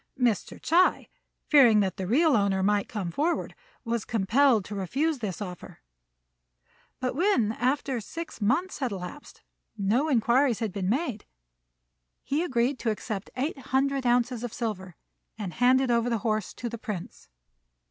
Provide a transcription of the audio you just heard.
Mr. Ts'ui, fearing that the real owner might come forward, was compelled to refuse this offer; but when, after six months had elapsed, no inquiries had been made, he agreed to accept eight hundred ounces of silver, and handed over the horse to the Prince.